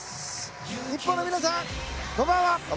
日本の皆さん、こんばんは。